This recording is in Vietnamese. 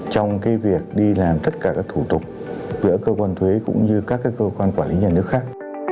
trong việc đi làm tất cả các thủ tục giữa cơ quan thuế cũng như các cơ quan quản lý nhà nước khác